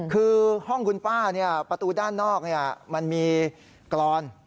คือห้องคุณป้าประตูด้านนอกมันมีกรอน